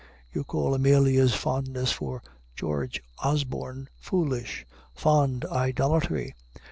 You call Amelia's fondness for George Osborne foolish, fond idolatry.